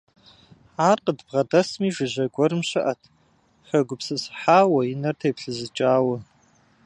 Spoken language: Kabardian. Ар къыдбгъэдэсми жыжьэ гуэрым щыӀэт, хэгупсысыхьауэ, и нэр теплъызыкӀауэ.